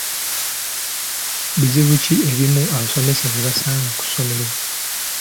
Bizibu ki ebimu abasomesa bye basanga ku ssomero?